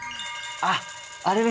あっあれね